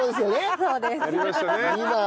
そうです。